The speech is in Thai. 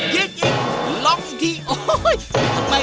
ยิงอีกลองที